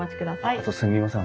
あとすみません。